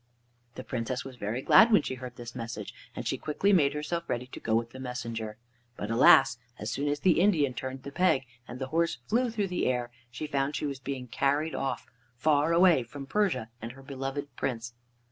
The Princess was very glad when she heard this message, and she quickly made herself ready to go with the messenger. But alas! as soon as the Indian turned the peg and the horse flew through the air, she found she was being carried off, far away from Persia and her beloved Prince.